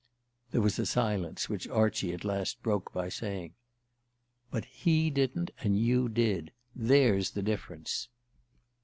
There was a silence which Archie at last broke by saying: "But he didn't, and you did. There's the difference."